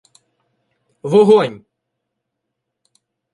— Вогонь!